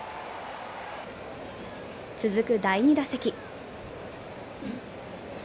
続く第２打席。